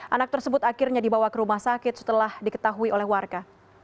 anak tersebut akhirnya dibawa ke rumah sakit setelah diketahui oleh warga